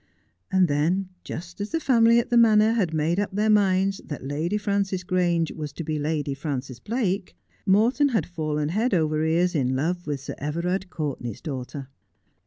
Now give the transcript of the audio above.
And then, just as the family at the Manor had made up their minds that Lady Frances Grange was to be Lady Frances Blake, Morton had fallen head over ears in love with Sir Everard Courtenay's daughter.